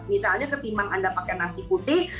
misalnya ketimbang anda pakai nasi putih